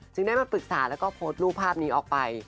ได้มาปรึกษาแล้วก็โพสต์รูปภาพนี้ออกไป